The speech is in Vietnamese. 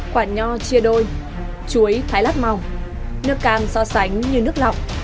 quả nho chia đôi chuối thái lát mỏng nước cam so sánh như nước lọc